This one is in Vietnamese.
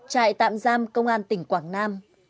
trại tạm giam công an tỉnh quảng nam